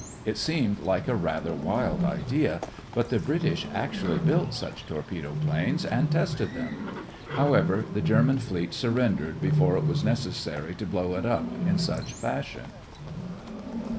It seemed like a rather wild idea, but the British actually built such torpedo planes and tested them. However, the German fleet surrendered before it was necessary to blow it up in such fashion.